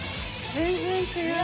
全然違う。